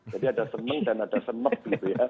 jadi ada semang dan ada semak gitu ya